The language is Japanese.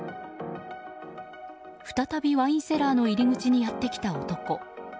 再びワインセラーの入り口にやってきた男。